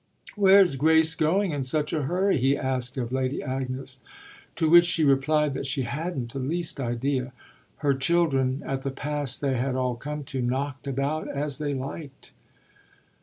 "Where's Grace going in such a hurry?" he asked of Lady Agnes; to which she replied that she hadn't the least idea her children, at the pass they had all come to, knocked about as they liked.